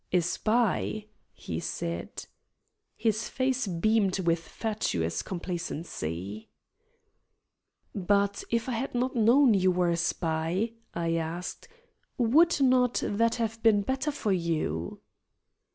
"A spy," he said. His face beamed with fatuous complacency. "But if I had not known you were a spy," I asked, "would not that have been better for you?"